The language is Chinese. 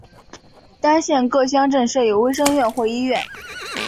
单县各乡镇设有卫生院或医院。